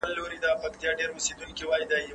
په نړۍ کي د مینې فضا رامنځته کړئ.